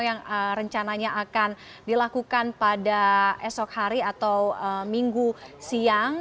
yang rencananya akan dilakukan pada esok hari atau minggu siang